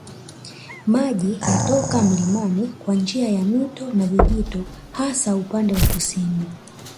Maji yatoka mlimani kwa njia ya mito na vijito hasa upande wa kusini